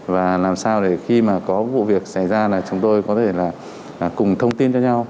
và làm sao để khi có vụ việc xảy ra chúng tôi có thể cùng thông tin cho nhau